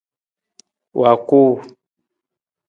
Wa kuu.